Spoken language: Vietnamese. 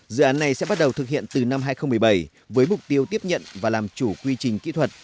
dự án này sẽ bắt đầu thực hiện từ năm hai nghìn một mươi bảy với mục tiêu tiếp nhận và làm chủ quy trình kỹ thuật